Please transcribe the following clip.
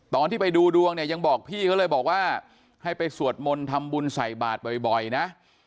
ตอนที่ไปดูดวงเนี่ยยังบอกพี่เขาเลยบอกว่าให้ไปสวดมนต์ทำบุญใส่บาทบ่อยนะ